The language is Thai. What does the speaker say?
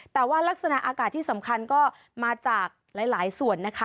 แต่ว่ารักษณะอากาศที่สำคัญก็มาจากหลายส่วนนะคะ